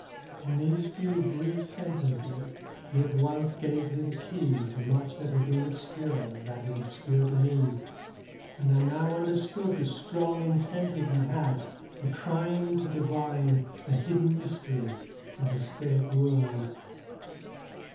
In these few, brief sentences he at once gave me the key to much that had been obscure — that is, obscure to me — and I now understood the strong incentive he had for trying to divine the hidden mysteries of the spirit world.